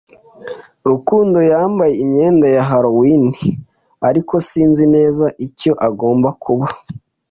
Rukundo yambaye imyenda ya Halloween, ariko sinzi neza icyo agomba kuba.